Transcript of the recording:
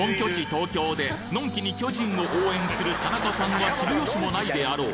東京でのんきに巨人を応援する田中さんは知る由もないであろう。